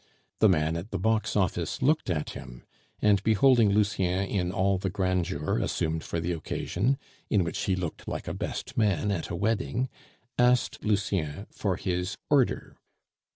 The man at the box office looked at him, and beholding Lucien in all the grandeur assumed for the occasion, in which he looked like a best man at a wedding, asked Lucien for his order.